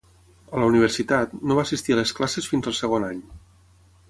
A la universitat, no va assistir a les classes fins al segon any.